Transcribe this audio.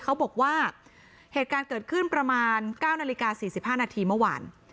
เขาบอกว่าเหตุการณ์เกิดขึ้นประมาณ๙นาฬิกา๔๕นาทีเมื่อวาน